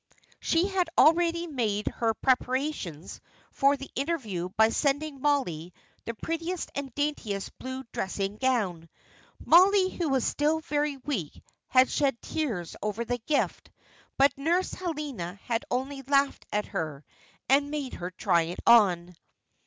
She had already made her preparations for the interview by sending Mollie the prettiest and daintiest blue dressing gown. Mollie, who was still very weak, had shed tears over the gift; but Nurse Helena had only laughed at her, and made her try it on.